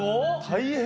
大変！